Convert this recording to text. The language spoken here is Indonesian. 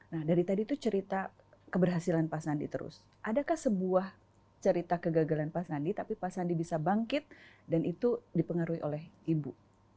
nah dari tadi itu cerita keberhasilan pak sandi terus adakah sebuah cerita kegagalan pak sandi tapi pak sandi bisa bangkit dan itu dipengaruhi oleh ibu